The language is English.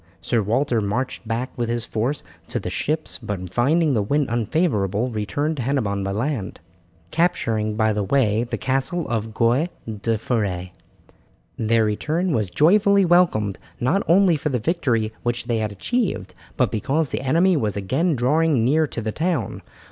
Sir Walter marched back with his force to the ships, but finding the wind unfavourable returned to Hennebon by land, capturing by the way the castle of Goy la Foret. Their return was joyfully welcomed, not only for the victory which they had achieved, but because the enemy was again drawing near to the town.